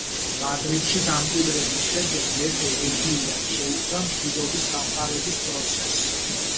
მადრიდში დამკვიდრების შემდეგ, მეფე ენერგიულად შეუდგა მშვიდობის დამყარების პროცესს.